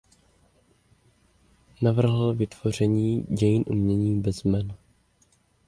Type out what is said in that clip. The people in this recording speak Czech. Navrhl vytvoření „dějin umění bez jmen“.